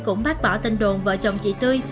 cũng bác bỏ tên đồn vợ chồng chị tươi